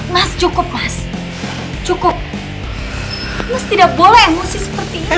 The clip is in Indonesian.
mas cukup mas cukup mas tidak boleh musik seperti ini